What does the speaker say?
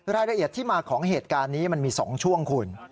รายละเอียดที่มาของเหตุการณ์นี้มันมี๒ช่วงคุณ